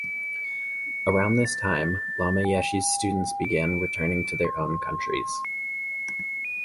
Around this time, Lama Yeshe's students began returning to their own countries.